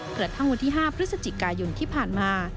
กระทั่งวันที่๕พฤศจิกายนที่ผ่านมา